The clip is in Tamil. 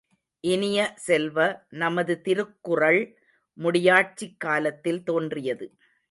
இனிய செல்வ, நமது திருக்குறள் முடியாட்சிக் காலத்தில் தோன்றியது.